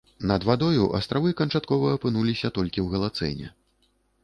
Над вадою астравы канчаткова апынуліся толькі ў галацэне.